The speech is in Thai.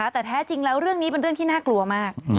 แต่แท้จริงแล้วเรื่องนี้เป็นเรื่องที่น่ากลัวมาก